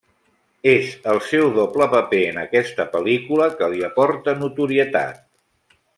És el seu doble paper en aquesta pel·lícula que li aporta notorietat.